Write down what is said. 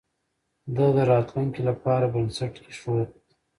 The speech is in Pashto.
ده د راتلونکي لپاره بنسټ ايښود.